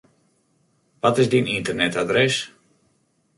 Wat is dyn ynternetadres?